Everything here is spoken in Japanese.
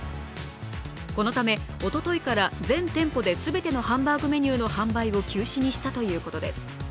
このため、おとといから全店舗で全てのハンバーグメニューの販売を休止にしたということです。